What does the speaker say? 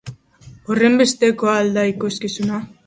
Horrenbesterako al da ikuskizuna?